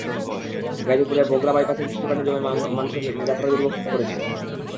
গাজীপুরের ভোগড়া বাইপাসে বৃষ্টির পানি জমে মানুষের যাত্রায় দুর্ভোগ যোগ করেছে।